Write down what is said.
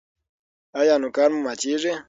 ایا نوکان مو ماتیږي؟